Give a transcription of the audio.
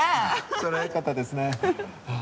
それはよかったですね